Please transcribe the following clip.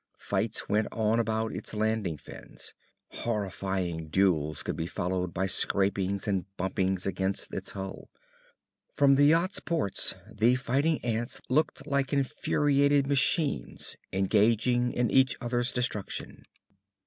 Fights went on about its landing fins. Horrifying duels could be followed by scrapings and bumpings against its hull. From the yacht's ports the fighting ants looked like infuriated machines, engaged in each other's destruction.